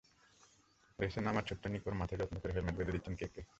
রেসে নামার ছোট্ট নিকোর মাথায় যত্ন করে হেলমেট বেঁধে দিচ্ছেন কেকে।